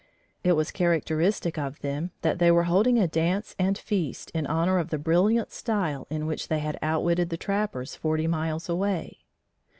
It was characteristic of them that they were holding a dance and feast in honor of the brilliant style in which they had outwitted the trappers forty miles away.